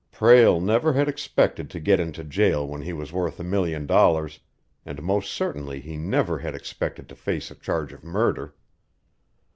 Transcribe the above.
Prale never had expected to get into jail when he was worth a million dollars, and most certainly he never had expected to face a charge of murder.